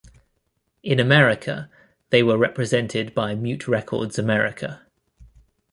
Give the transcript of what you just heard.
In America, they were represented by "Mute Records America".